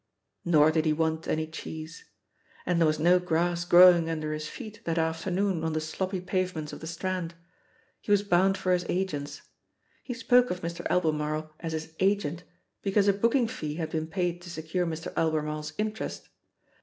Nor did he want any cheese. And there was no grass growing under his feet that afternoon OR the sloppy pavements of the Strand. He was bound for his agent's. He spoke of Mr. Albe marle as his '"agent" because a booking fee had been paid to secure Mr. Albemarle's interest.